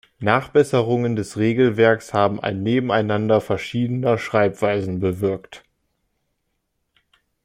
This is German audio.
Nachbesserungen des Regelwerks haben ein Nebeneinander verschiedener Schreibweisen bewirkt.